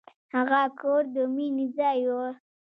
هغه کور د مینې ځای و.